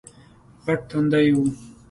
غټ تندی یې وو